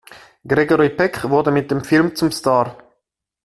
Gregory Peck wurde mit dem Film zum Star.